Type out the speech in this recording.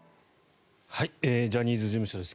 ジャニーズ事務所です。